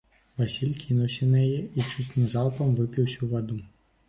Васіль кінуўся на яе і чуць не залпам выпіў усю ваду.